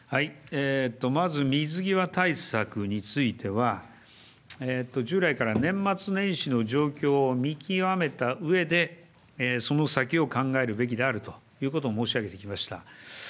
まず水際対策については、従来から年末年始の状況を見極めたうえで、その先を考えるべきであるということを申し上げてきました。